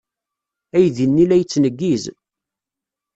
Aydi-nni la yettneggiz.